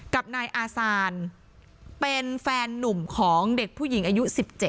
กับนายอาซานเป็นแฟนนุ่มของเด็กผู้หญิงอายุ๑๗